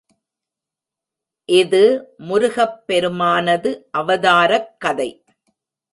இது முருகப் பெருமானது அவதாரக் கதை.